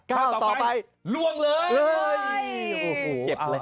ก้าวต่อไปล่วงเลย